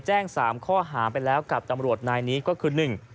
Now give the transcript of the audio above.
แจ้ง๓ข้อหาไปแล้วกับตำรวจนายนี้ก็คือ